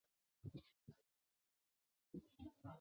西澳州政府官方网页